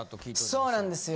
そうなんですよ。